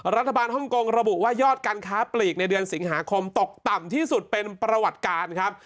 ฮ่องกงระบุว่ายอดการค้าปลีกในเดือนสิงหาคมตกต่ำที่สุดเป็นประวัติการครับ